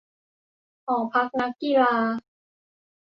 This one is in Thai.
หอพักนักกีฬา ?